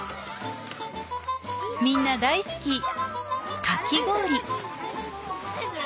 みんな大好きかき氷。